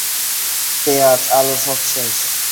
পেঁয়াজ, আলু সব শেষ।